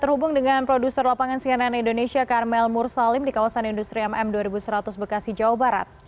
terhubung dengan produser lapangan cnn indonesia karmel mursalim di kawasan industri mm dua ribu seratus bekasi jawa barat